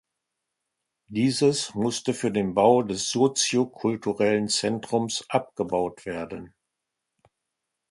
Dieses musste für den Bau des Soziokulturellen Zentrums abgebaut werden.